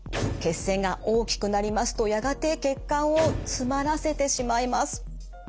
血栓が大きくなりますとやがて血管を詰まらせてしまいます。